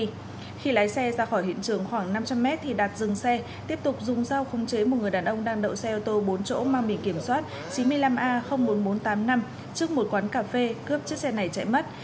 khi lái xe ra khỏi hiện trường khoảng năm trăm linh mét thì đạt dừng xe tiếp tục dùng dao không chế một người đàn ông đang đậu xe ô tô bốn chỗ mang bì kiểm soát chín mươi năm a bốn nghìn bốn trăm tám mươi năm trước một quán cà phê cướp chiếc xe này chạy mất